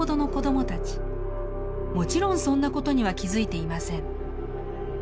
もちろんそんな事には気付いていません。